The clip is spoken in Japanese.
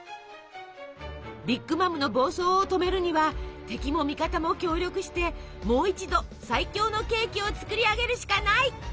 ビッグ・マムの暴走を止めるには敵も味方も協力してもう一度最強のケーキを作り上げるしかない！